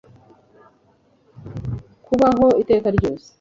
kubaho, iteka ryose